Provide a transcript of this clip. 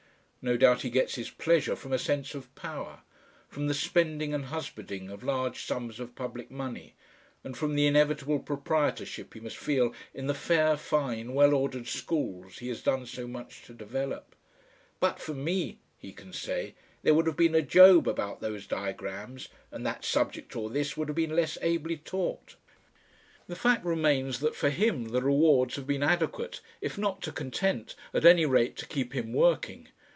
No doubt he gets his pleasure from a sense of power, from the spending and husbanding of large sums of public money, and from the inevitable proprietorship he must feel in the fair, fine, well ordered schools he has done so much to develop. "But for me," he can say, "there would have been a Job about those diagrams, and that subject or this would have been less ably taught."... The fact remains that for him the rewards have been adequate, if not to content at any rate to keep him working.